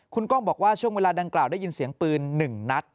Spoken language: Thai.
คุณกล้องบอกว่าช่วงเวลาดังกล่าวได้ยินเสียงปืน๑นัด